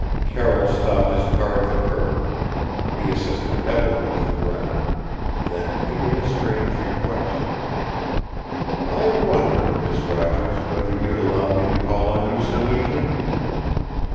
Carroll stopped his car at the curb. He assisted Evelyn to the ground. Then he made a strange request. "I wonder, Miss Rogers, whether you'd allow me to call on you some evening?"